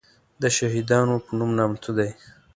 دشهیدانو په نوم نامتو دی.